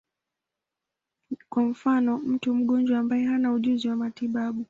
Kwa mfano, mtu mgonjwa ambaye hana ujuzi wa matibabu.